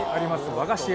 和菓子屋